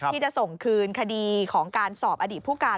ที่จะส่งคืนคดีของการสอบอดีตผู้การ